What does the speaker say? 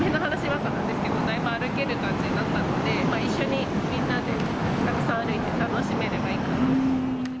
娘もだいぶ歩ける感じになったので、一緒にみんなでたくさん歩いて、楽しめればいいかなと。